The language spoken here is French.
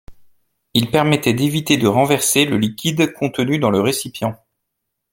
Il permettait d'éviter de renverser le liquide contenu dans le récipient.